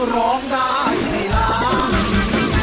ร้องได้ไงล่ะ